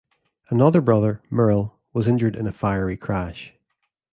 Another brother, Merle, was injured in a fiery crash.